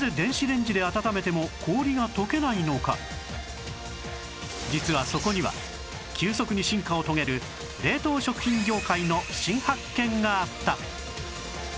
しかし実はそこには急速に進化を遂げる冷凍食品業界の新発見があった